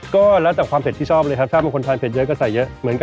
คือถ้าหันซอยปกติเราจับพริกนั้นมันจะร้อนมือ